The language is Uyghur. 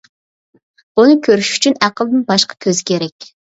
بۇنى كۆرۈش ئۈچۈن ئەقىلدىن باشقا كۆز كېرەك.